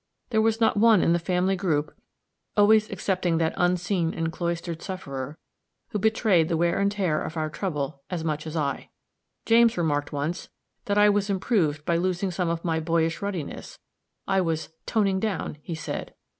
There was not one in the family group (always excepting that unseen and cloistered sufferer) who betrayed the wear and tear of our trouble so much as I. James remarked once that I was improved by losing some of my boyish ruddiness I was "toning down," he said.